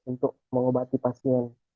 untuk mengobati pasien